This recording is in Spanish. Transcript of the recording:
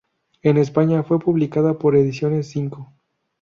En España fue publicada por Ediciones Zinco.